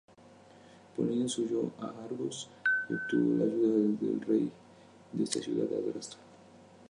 Polinices huyó a Argos y obtuvo la ayuda del rey de esta ciudad, Adrasto.